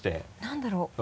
何だろう？